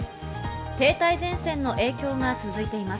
停滞前線の影響が続いています。